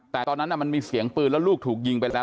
แต่ตอนนั้นมันมีเสียงปืนแล้วลูกถูกยิงไปแล้ว